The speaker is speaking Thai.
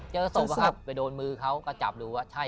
เจอสัตว์ไปโดนมือเขาก็จับดูว่าใช่